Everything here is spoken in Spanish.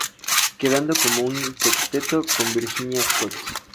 Quedando como un sexteto con Virginia Scott.